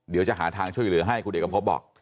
เดี๋ยวจะหาทางช่วยเหลือให้พี่เดี๋ยวเบาบอก